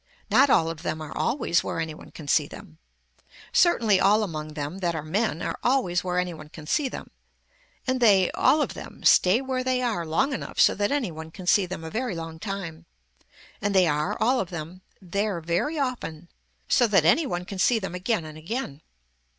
Not all of them are always where any one can see them. Certainly all among them that are men are always where any one can see them, and they, all of them, stay where they are long enough so that any one can see them a very long time, and they are, all of them, there very often so that any one can see them again and again.